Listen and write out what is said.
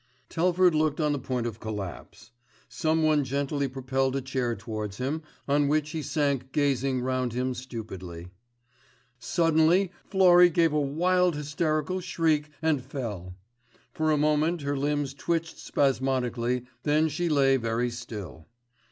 Telford looked on the point of collapse. Someone gently propelled a chair towards him, on which he sank gazing round him stupidly. Suddenly Florrie gave a wild hysterical shriek and fell. For a moment her limbs twitched spasmodically, then she lay very still.